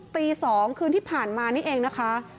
ตี๒คืนที่ผ่านมานี่เองนะคะ